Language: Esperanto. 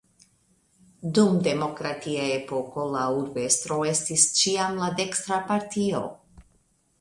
Dum demokratia epoko la urbestro estis ĉiam de dekstra partio.